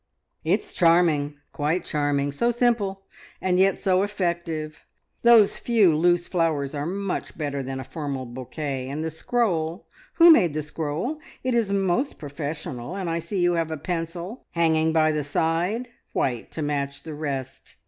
"It's charming quite charming so simple, and yet so effective. Those few loose flowers are much better than a formal bouquet, and the scroll who made the scroll? It is most professional, and I see you have a pencil hanging by the side, white, to match the rest."